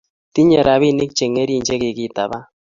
Tinye rabinik chengerin che kikitaban